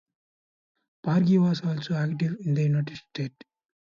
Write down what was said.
Parigi was also active in the United States.